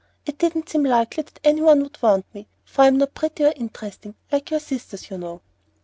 It didn't seem likely that any one would want me, for I'm not pretty or interesting, like your sisters, you know."